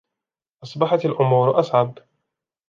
أصبحت الأمور أصعب.